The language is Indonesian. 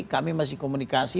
kami masih komunikasi